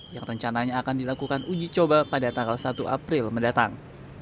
yang rencananya akan dilakukan uji coba pada tanggal satu april mendatang